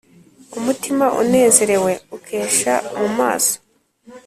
umutima unezerewe ukesha mu maso,